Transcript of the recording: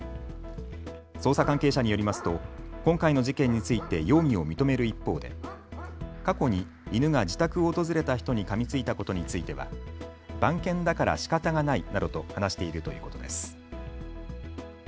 捜査関係者によりますと今回の事件について容疑を認める一方で過去に犬が自宅を訪れた人にかみついたことについては番犬だからしかたがないなどと話しているということです。